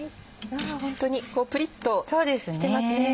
ホントにプリっとしてますね。